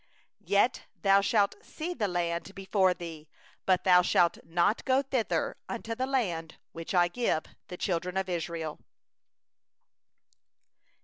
52For thou shalt see the land afar off; but thou shalt not go thither into the land which I give the children of Israel.